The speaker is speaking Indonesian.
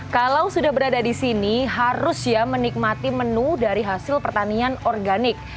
kalau sudah berada di sini harus ya menikmati menu dari hasil pertanian organik